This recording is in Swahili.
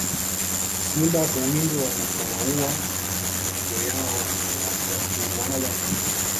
Simba huwindwa wanapowaua mifugo yao hwauwa pia